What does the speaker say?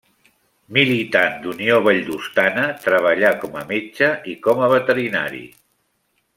Militant d'Unió Valldostana, treballà com a metge i com a veterinari.